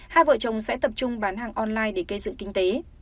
hai vợ chồng sẽ tập trung bán hàng online để cây sự kinh tế